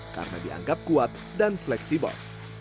karena dianggap kuat dan fleksibel